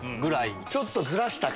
ちょっとずらしたか？